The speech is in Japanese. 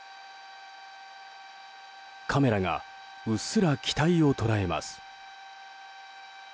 カメラがうっすら機体を捉えます。